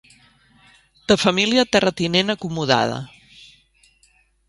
De família terratinent acomodada.